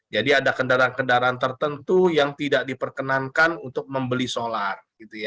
jadi ada kendaraan kendaraan tertentu yang tidak diperkenankan untuk membeli solar